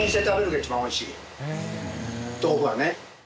豆腐はね。